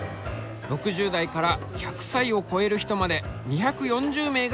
６０代から１００歳を超える人まで２４０名が入居しています。